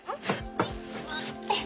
はい座って。